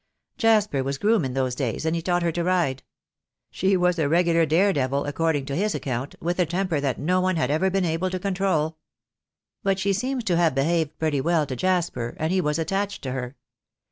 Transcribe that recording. Jasper was groom in those days, and he taught her to ride. She was a regular dare devil, according to his account, with a temper that no one had ever been able to control. But she seems to have behaved pretty well to Jasper, and he was attached to her.